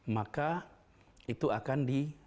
maka itu akan di